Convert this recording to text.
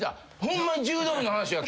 ホンマに柔道部の話が。